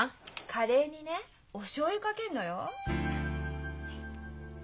カレーにねおしょうゆかけんのよ。